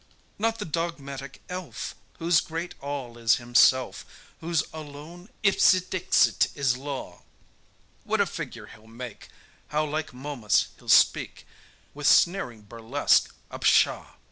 Not the dogmatic elf, Whose great all is himself, Whose alone ipse dixit is law: What a figure he'll make, How like Momus he'll speak With sneering burlesque, a pshaw!